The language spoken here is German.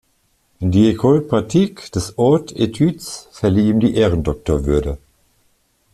Die École Pratique des Hautes-Études verlieh ihm die Ehrendoktorwürde.